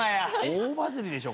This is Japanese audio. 大バズりでしょ？